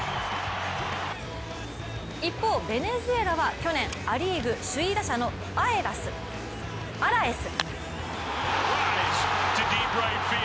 一方、ベネズエラは去年ア・リーグ首位打者のアラエス。